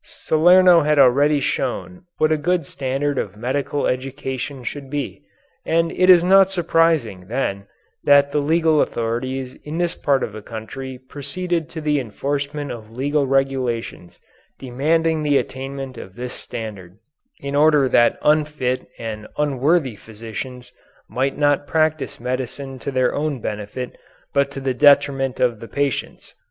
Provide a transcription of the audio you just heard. Salerno had already shown what a good standard of medical education should be, and it is not surprising, then, that the legal authorities in this part of the country proceeded to the enforcement of legal regulations demanding the attainment of this standard, in order that unfit and unworthy physicians might not practise medicine to their own benefit but to the detriment of the patients.